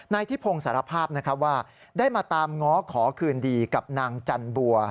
นายทิพงสารภาพนะครับว่าได้มาตามง้อขอคืนดีกับนางจันบัว